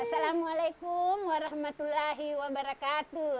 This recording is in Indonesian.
assalamualaikum warahmatullahi wabarakatuh